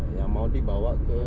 yang mau dibawa ke